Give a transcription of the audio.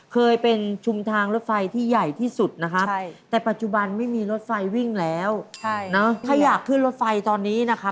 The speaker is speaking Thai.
เคยเป็นชุมทางรถไฟที่ใหญ่ที่สุดนะครับแต่ปัจจุบันไม่มีรถไฟวิ่งแล้วถ้าอยากขึ้นรถไฟตอนนี้นะคะ